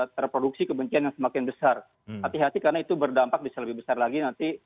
terproduksi kebencian yang semakin besar hati hati karena itu berdampak bisa lebih besar lagi nanti